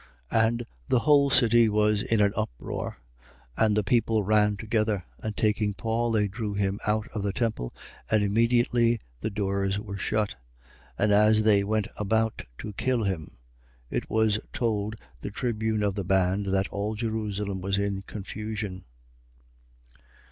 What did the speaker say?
21:30. And he whole city was in an uproar: and the people ran together. And taking Paul, they drew him out of the temple: and immediately the doors were shut. 21:31. And as they went about to kill him, it was told the tribune of the band that all Jerusalem was in confusion.